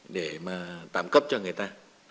để mà tạm giữ